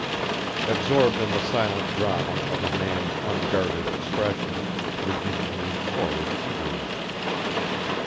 Absorbed in the silent drama of a man's unguarded expression, Virginia leaned forward eagerly.